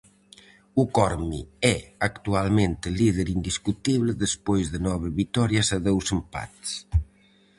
O Corme é actualmente líder indiscutible, despois de nove vitorias e dous empates.